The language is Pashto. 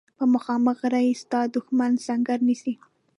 په مخامخ غره کې ستا دښمن سنګر نیسي.